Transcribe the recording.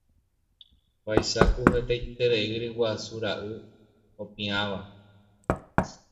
Vaicháku hetaiterei ryguasura'y opiãva.